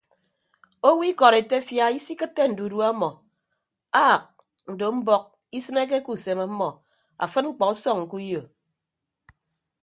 Owo ikọd etefia isikịtte ndudue ọmọ aak ndo mbọk isịneke ke usem ọmmọ afịd mkpọ ọsọñ ke uyo.